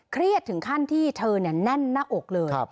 เครียดถึงขั้นที่เธอแน่นหน้าอกเลย